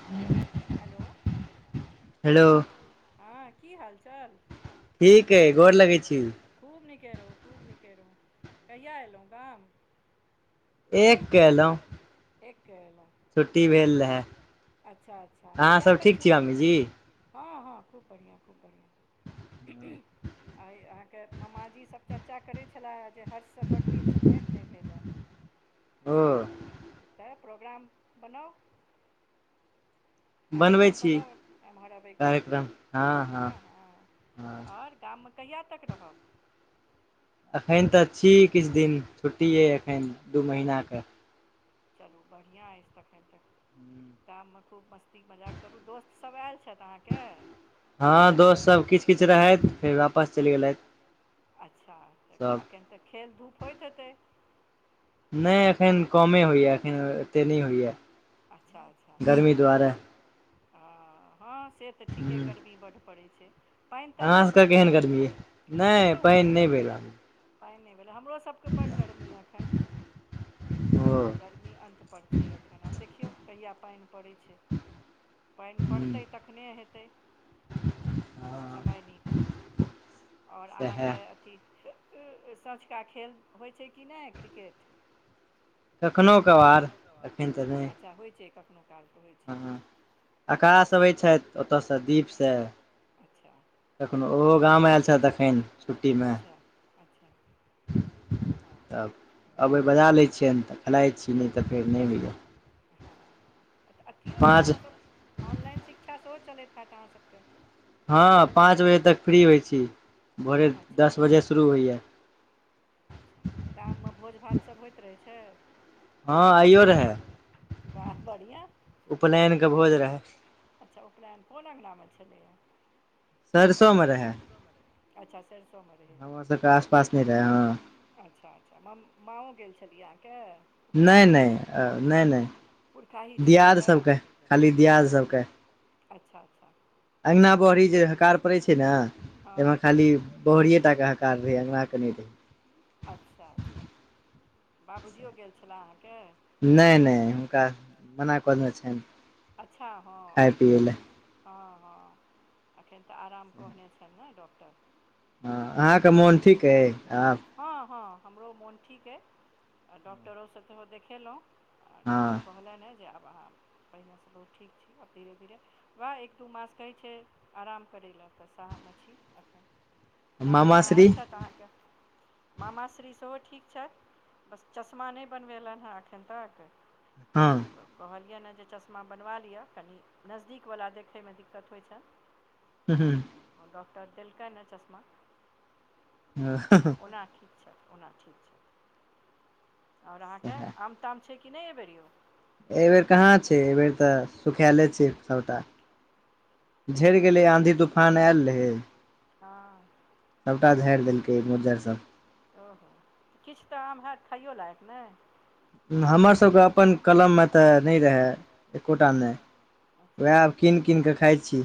हँ। Hello. Hello, हँ, की हाल चाल? ठीक ई, गोर लगैत छी। खूब निके रहु, खूब निके रहु, कहिआ एयलहुँ गाम? एक के एलु। एक के एलहूं अच्छा अच्छा कहिया तक छुट्टी हाँ हाँ खूब बढ़िआँ खूब बढ़िआँ आइ अहाँ के मामा जी सब चर्चा करै छलाहे जे हर्ष सब बड़ दिन सँ भेट नहि भेल हे हं तऽ प्रोग्राम बनाउ कार्यक्रम बनाउ एम्हर अबै के हाँ हाँ और काम मे कहिआ तक रहब अखन तऽ छी किछु दिन छुट्टी ये एखन दु महीना कऽ चलू बढ़िआँ अछी तखन तऽ [inaudible] गाम मे खूब मस्ती मजाक करू दोस्त सब आयल छथि अहाँ के हाँ दोस्त सब किछु किछु रहैत फेर वापस चलि गेलैथ सब खेल धूप होइत हेतै नैय एखन कमे होइया एखन एते नहि होइया अच्छा अच्छा हाँ हाँ से तऽ ठीके गर्मी बड़ पड़ैत छै पाइन ताइन नहि पड़ल हे एतौ बड़ पानि पानि नहि भेलै हमरो सब के बड़ गर्मी यऽ एखन गर मी अन्त पर छै एखन आब देखियौ कहिया पाइन पड़ैत छै पाइन पड़तै तखने हेतै समय नीक और अहाँ के अथी हे ओ सँझुका खेल होई छै कि नहि क्रिकेट कखनो कबार एखन तऽ नहि अच्छा होइत छै कखनो काल हाँ आकाश अबै छैथ ओतय सँ दीप सँ कखनो ओहो गाम आयल छैत एखन छुट्टी मे तऽ अबै बजा लैत छियनि तऽ खेलाइत छी नहि तऽ फेर नहि होए हाँ तऽ अथिओ अहाँ सभ ऑनलाइन शिक्षा सेहो चलैत हैत अहाँ सभ के हाँ पाँच बजे तक फ्री होई छी भोरे दस बजे शुरू होइए अच्छा गाम मे भोज भात सब होइत रहै छै हं आइयो रहै बाह बढ़िआँ उपनयन के भोज छलै अच्छा उपनयन कोन अंगना में छलैए सरसों मे रहे सरसों मे रहे अच्छा सरसों मे रहे आस पास अच्छा अच्छा मम माँ ओ गेल छलि अहाँ के नै नै अ नै ने पुरखा ही छलै हे दिआद सब के अच्छा अच्छा अंगना बहरी जे हकार पड़े छै ने खाली बहरिए टा के हकार जे आंगन के नै रहे अच्छा अच्छा बाबू जीओ गेल छलए अहाँ के नै नै हुनका मना कऽ देने छैन अच्छा हाँ एखन तऽ हं हं एखन तऽ आराम कहने छैन ने डॉक्टर हं अहाँ के मोन ठीक अई आब हं हं हमरो मौन ठीक अई आ डॉक्टरो से देखेलहुँ आ डॉक्टर कहलनि हें जे आब अहाँ पहिने सँ बहुत ठीक छी आब धीरे धीरे वएहा एक दू मास कहैत छै आराम करय लेल तऽ सेहा मे छी नानी मां आयल छैथ अहाँके मामाश्री सेहो ठीक छथि बस चश्मा नहि बनबेलनि हेँ एखन तक हँ त कहलियै ने जे चश्मा बनबा लिअ कनि नजदीक बला देखयमे दिक्कत होइ छनि [inaudible] हूं हूं आ डॉकटर देलकैन ए चश्मा ओना ठीक छथि ओना ठीक छथि आओर अहाँके छै कि नहि एहिबेर यौ एहिबेर कहाँ छै एहि बेेर तऽ सुखायले छियै सभटा झड़ि गेलै आँधी तूफान आयल रहै हँ सभटा झाड़ि देलकै मज्जर सब ओहो किछु तऽ आम होत खाइयो लायक ने हमर सबके अपन कलममे तऽ नहि रहै एकोटा नहि वएह आब कीन कीन कऽ खाइ छी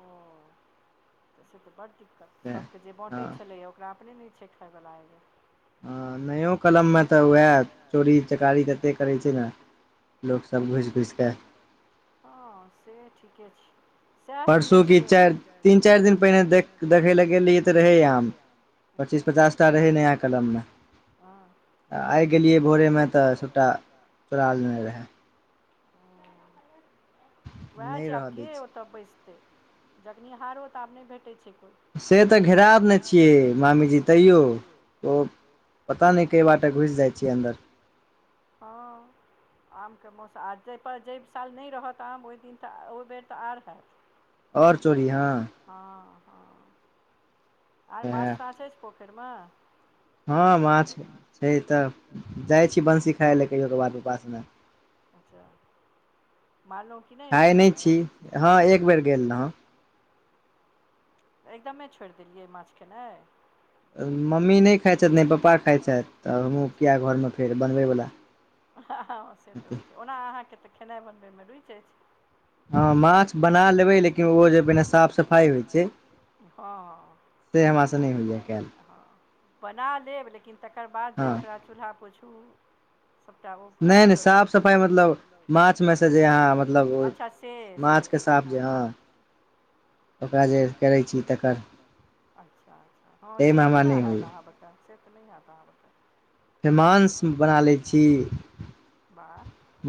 ओ तऽ से तऽ बड्ड दिक्कत सबके जे बाँटै छलै हँ ओकरा अपने नहि छै खाइ वला एहिबेर हँ नयो कलममे तऽ उएह चोरी चकारी जतेक करै छै ने लोकसभ घुसि घुसि कऽ हँ से ठीके छै सएह सुनै छियै पचीस पचास टा रहै नया कलममे आइ गेलियै भोरेमे तऽ सबटा चोरा लेने रहै उएह छै आब के ओतऽ बैसते जखनि हारो तऽ आब नहि भेटै छै कोइ से तऽ घेराबने छियै मामीजी तैयो ओ पता नहि कै बाटे घुसि जाइ छै अन्दर हँ आमके मौसम आज ताहि जाहि साल नहि रहत आब ओहि दिन तऽ ओहिबर तऽ आओर हैत हँ हँ आइ माछ ताछ अछि पोखरिमे हँ माछ छै तऽ जाइत छी बंसी खाय लए कहिओके बाद उपासमे अच्छा मारलहुँ की नहि एहि बेर एकोटा एकदमे छोड़ि देलियै माँछ खेनाइ मम्मी नहि खाइत छथि नहि पप्पा खाइत छथि तऽ हमहूँ किएक घरमे फेर बनबैवला हँ से तऽ होइ छै ओना अहाँके तऽ खेनाइ बनबैमे रुचि अछि हँ माछ बना लेबै लेकिन ओ जे पहिने साफ सफाइ होइ छै हँ बना लेब लेकिन तकर बाद जे ओकरा चूल्हा पोछू सबटा कात करू साफ सफाइ मतलब माछ अच्छा ते से से [unintelligible] ओकरा जे करै अच्छा अच्छा हँ से केना हैत अहाँ बतायब से तऽ नहि हेत अहाँ बते फेर माँस बना लैत छी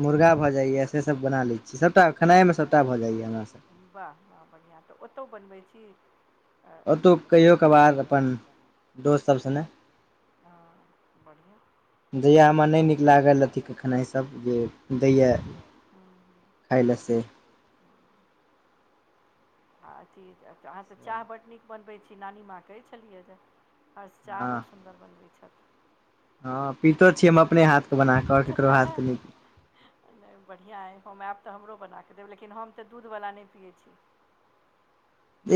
मुर्गा भऽ जाइए से सब बना लैत छी से सभटा खेनाइमे सभटा भऽ जाइए हमरा सँ हँ बढ़ियाँ तऽ ओतहु बनबै छी ओतौ कहियो कभार अपन दोस्तसभ सङ्गे हँ बढ़ियाँ [unintelligible] तब जे दैए खाय लए से आ अथी अहाँ तऽ चाह बड्ड नीक बनबैय छी नानी माँ कहै छलीये जे आओर चाह बड्ड सुन्दर बनबैत छथिन ठीको छीियै हम अपने हाथ [unintelligible] नहि बढ़िआँ अइ हम आयब तऽ हमरो बना कऽ देब लेकिन हम तऽ दूध वला नहि पियैत छीये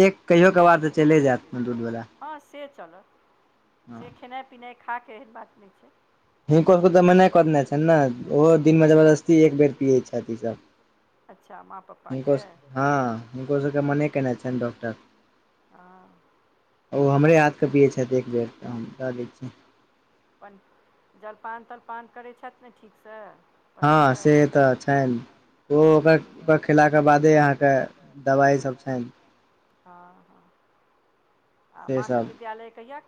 एक कहियओ कभार तऽ चेले जायत ने हँ से चलत से खेनाइ पिनाइ खा कऽ एहन बात नहि छै हिनको सबके तऽ मना क देने छनि ने ओहो दिनमे जबरदस्ती एक बेर पियैत छथि अच्छा मँ अखने पाप्प [unintelligible] हुनको हँ हुनकोसभके मने कयने छनि डॉक्टर हँ ओ हमरे हाथके पियै छथि एक बेर अपन जलपान तलपान करैत छथि ने ठीकसे अपन पि से तऽ छै [unintelligible] ओ ओकर ओकर खेलाके बादे अहाँके दबाइसभ हँ हँ माँके विद्यालय कहिया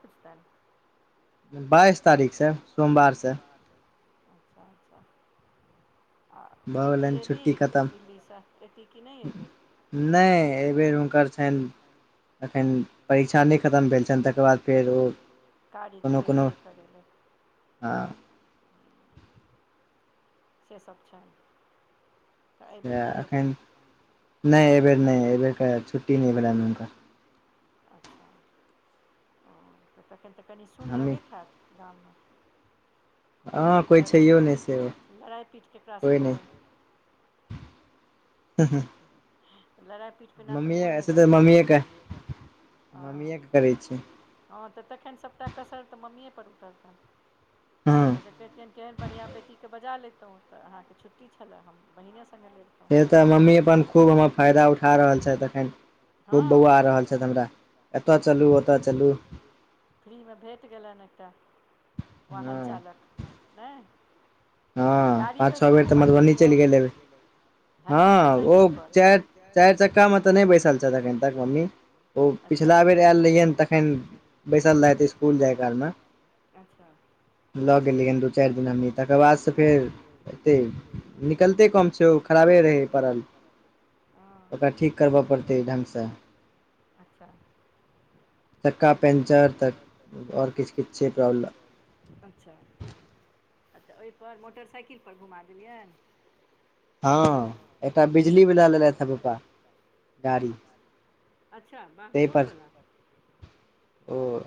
बाइस तारीखसँ सोमवारसँ अच्छा अच्छा [inaudible] आ दीदी अयली दिल्ली सँ अयली कि नहि अयली नहि एहिबेर हुनकर छनि परीक्षा नहि खतम भेल छनि तकर बाद फेर ओ कोनो कोनो ' हँ से सब छै एखन नहि एहिबेर नहि एहिबेरके छुट्टी नहि भेलनि हुनक अच्छा ओ तऽ तखन तऽ कनि सुन लगैत हैत गाममे [unintelligible] हँ कोइ छैओ नहि सेहो कोइ नहि यो हू ह [unintelligible] लड़ाई [unintelligible] बिना तऽ मोन नहि लगै छै हँ हँ तऽ तखन सबटा कसर तऽ मम्मीए पर उतेरते केहन बढ़िआँ बेटीके बजाेतहुँ तऽ अहाँके छुट्टी छलै हम बहिने सङ्गेब से तऽ मम्मी अपन खूब हमर फायदा उठा रहल छथि एखन। खूब बौआ आ रहल छथि हमरा एतय चलू ओतय चलू ' फ्रीमे भेट गेलनि एकटा वाहन चालक नहि। गाड़ीमे सेहो घुमा दै छियनि खाली मोटरसाइकिल मे चार चकका मे तऽ नहि बैसल छै तख त मम्मी ओ पिछिला बेर आयल रहियनि तखन बैसल रहथि आ स्कुल जायकाल मे अच्छा लऽ गेलीन दू चारि दिन हममी तकर बाद [unintelligible] फेर ए निकते कम छै खराबे रहै ओकरा ठीक करबेऽ पड़तै ढङ्गसँ अच्छा चक्का पंचर तऽ आओर किछ किछ प्रॉब्लम अच्छा अच्छा ओहिपर मोटरसाइकिलपर घुमा देलिये हँ एकटा बिजली बला लेलेथि हे पपा के गाड़ी अच्छा वाह कोन वला ओ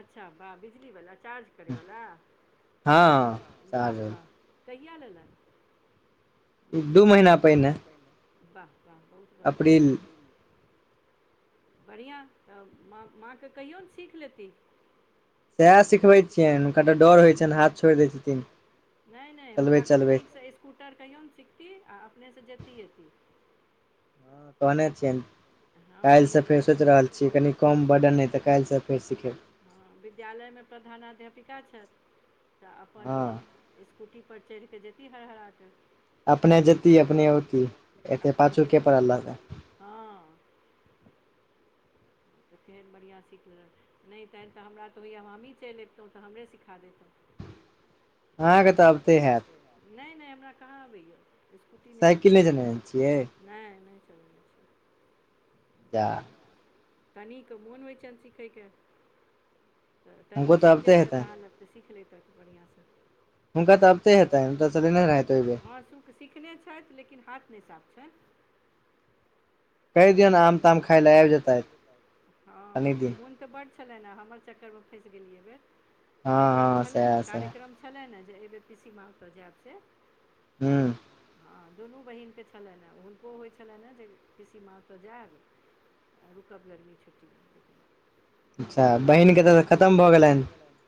अच्छा वाह बिजली वला चार्ज करैवला ह वाह वाह कहिया लेलो दू महिना दू महीना पहिने वाह वाह बहुत बढ़िआँ बढ़िआँ तऽ माँके कहियौ ने सीख लेतीन सएह सिखबैन छियैन हुनका त डर होइत छनि हाथ छोड़ि दैत छथिन नहि नहि हुनका खूब नीकसँ ई कूटर कहियौ ने सिखती आ अपनेसँ जेती ऐती कहने छीयन काल्हिसँ फेर सोच रहल छीयै कनि कम बर्डन अइ तऽ काल्हिसँ फेर सिखेबै हँ विद्यालयमे प्रधानाध्यापिका छथि तऽ अपन ओ स्कूटीप चढ़िक जेती हर हरा क अपने जेती अपने अपने ऐती अपने हँ तऽ केहन बढ़िआँ सीख लेलैथि नहि तहनतऽ हमरा तऽ होइए हम हमही चलि अयतहुँ तऽ हमरे सिखा देैतहुँ आँहा के तऽ आबे तेऽ हैत नहि नहि हमरा कहाँ अबैय स्कूटी नहि अबैै या नहि नहि चल जा तनिक क मोन होइ छनि सीखैके तऽ तनि चलि जात अहाँ ल तऽ सीख लैतैथि बढ़िसँ हुनका त आबते हैतेन ओ त चलेने रहैथ ओहि बेर सिखने छथि लेकिन हाथ नहि साफ छनि कहि दियौ न आम ताम खाइ लए आबि जेतै कनि दिन आम त बड छलेय हमर चक्कर मे फइस गेली अय बेर नहि त छ्लै ये करिय कर्म छलै ने जे एबेर पीसी माँ ओतऽ जायब से हूँ हँ दुनू बहिनके छलनि ह हुनको होइ छलनि हँ जे पीसी माँ आओतऽ जायब आ रुकब गरमी छुट्टी मे हमरे दुआरे फेर स बहिनके तऽ खतम भऽ गेलैन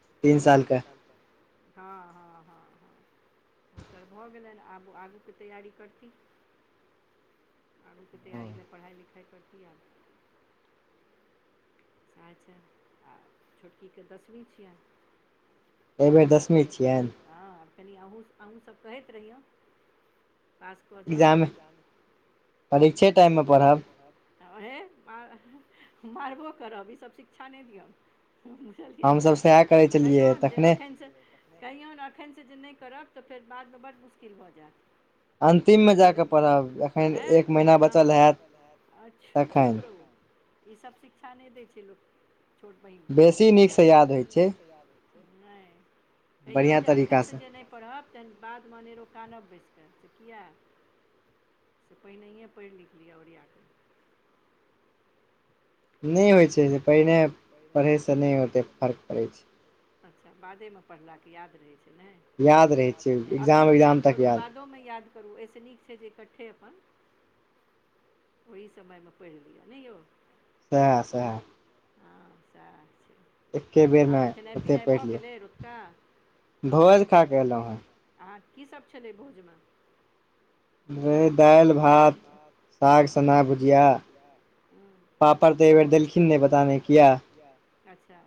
तीन सालके हँ हँ हँ हँ हुनकर भऽ गेलनि आब आगूके तैयारी करती आगूके तैयारी लए पढ़ाइ लिखाइ करति आब अछा आ छोटकीके दसमी छियनि हँ आ कनि अहूँ अहूँसभ कहैत रहियौ पास कऽ जाउ जाब परीक्षे टाइममे पढ़ब [unintelligible] हे मार मारबो करब ईसबशिक्षा नहि दिअ बुझलियै ने आ कहियौ जे एखनसँ कहियौ न एखनसँ जे नहि करब तऽ फेर बादमे बड्ड मुश्किल भऽ जायत है चुप चुप रहू [unintelligible] ईस शिक्षा नहि दै छै लोक छोट बहिन के भए के नही कहीयौन जे अखनसँ जे नहि पढ़ब तनि बादमे अनेरो कानब बैसिकऽ से किया पहिनहिए पढ़ि लिख लिअ ओरिया कऽ नहि होइ छै जे पहिने पढ़ैसँ नहि ओतेक फर्क पड़ै छै अच्छा बादेमे पढ़लाके याद रहैत छै नै याद रहय छै एखनो याद करू बाद याद करू एहिसँ नीक छै जे इकट्ठे अपन ओहि समयमे पढ़ि लिअ नै यौ सेह सेह हँ सएह छै आर खेनाइ पिनाइ भऽ गेलै रौतका अहाँ की सब छलै भोजमे रै दालि भात साग सन्ना भुजिया पापर त एहिबेर देलखिन नही पताने किया अचछा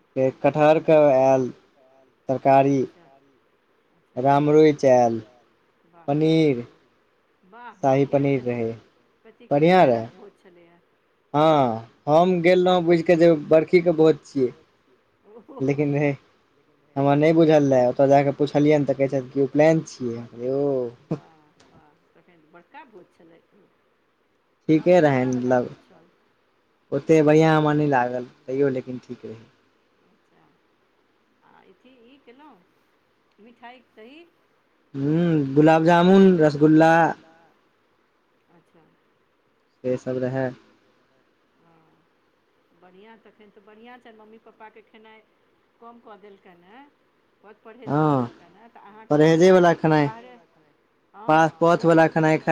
आ [unintelligible] [unintelligible] वाह देर छलियै कथीके उपनयनक भोज छलैय हँ हम गेले रहहुँ बुझि कऽ जे छी [unintelligible] ह हमर नहि बुझल रहै ओतय जाकऽ पुछलियै तऽ कहै छथि उपनयन छियै ओ हँ वाह तखन बड़का भोज छलै ठीके रहनि मतलब ओतेक बढ़िआँ हमरा नहि लागल तैयो लेकिन ठीक रही आ अथी ई कयलहुँ मिठाइक दही ह गुलाबजामुन रसगुल्ला ता अच्छा से सब रहै हँ बढ़िआँ तखन तऽ बढ़िआँ छैनि मम्मी पप्पाके खेनाइ पिनाई कम क देलकय बड़ परहेज कऽ देलकनि हँ तऽ अहाँके बढ़िआँ अछि अपन बाहरे हँ मौज बहुत [unintelligible]